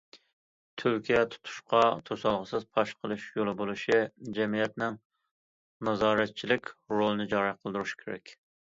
‹‹ تۈلكە›› تۇتۇشتا توسالغۇسىز پاش قىلىش يولى بولۇشى، جەمئىيەتنىڭ نازارەتچىلىك رولىنى جارى قىلدۇرۇش كېرەك.